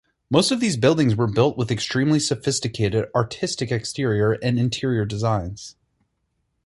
Most of these buildings were built with extremely sophisticated artistic exterior and interior designs.